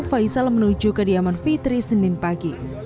faisal menuju kediaman fitri senin pagi